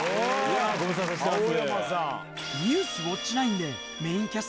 ご無沙汰してます。